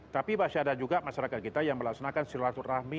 tapi masih ada juga masyarakat kita yang melaksanakan silaturahmi